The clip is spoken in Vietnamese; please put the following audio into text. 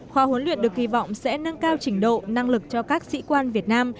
khóa huấn luyện được kỳ vọng sẽ nâng cao trình độ năng lực cho các sĩ quan việt nam